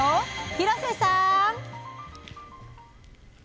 廣瀬さん！